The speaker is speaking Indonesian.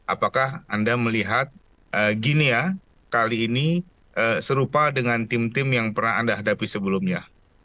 apakah anda melihat ginia kali ini serupa dengan tim tim yang pernah anda hadapi sebelumnya